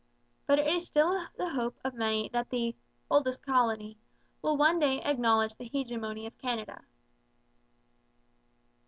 But it is still the hope of many that the 'Oldest Colony' will one day acknowledge the hegemony of Canada.